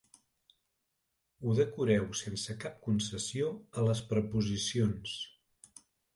Ho decoreu sense cap concessió a les preposicions.